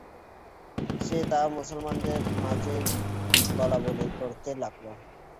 সে তা মুসলমানদের মাঝে বলাবলি করতে লাগল।